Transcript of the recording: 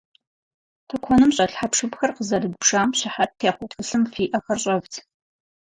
Тыкуэным щӏэлъ хьэпшыпхэр къызэрыдбжам щыхьэт техъуэ тхылъым фи ӏэхэр щӏэвдз.